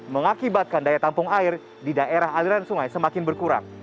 mengakibatkan daya tampung air di daerah aliran sungai semakin berkurang